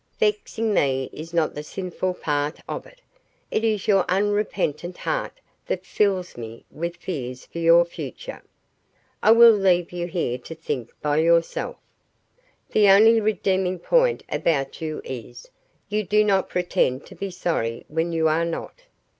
"Vexing me is not the sinful part of it. It is your unrepentant heart that fills me with fears for your future. I will leave you here to think by yourself. The only redeeming point about you is, you do not pretend to be sorry when you are not."